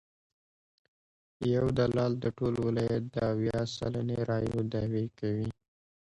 یو دلال د ټول ولایت د اویا سلنې رایو دعوی کوي.